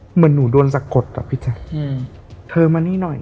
เหมือนหนูโดนสักกฎอะพี่จันทร์อืม